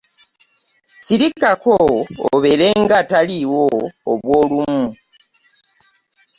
Sirikako obeerenga ataliiwo obw'olumu.